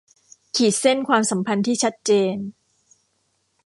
ขีดเส้นความสัมพันธ์ที่ชัดเจน